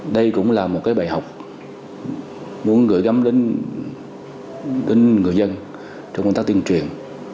đây cũng là một bài học muốn gửi gắm đến người dân trong công tác tuyên truyền